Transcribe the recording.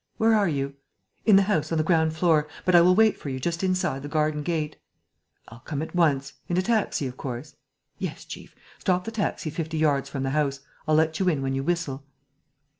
"Where are you?" "In the house, on the ground floor. But I will wait for you just inside the garden gate." "I'll come at once. In a taxi, of course?" "Yes, chief. Stop the taxi fifty yards from the house. I'll let you in when you whistle."